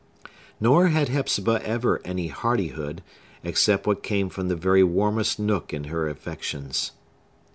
Nor had Hepzibah ever any hardihood, except what came from the very warmest nook in her affections.